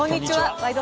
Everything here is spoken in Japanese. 「ワイド！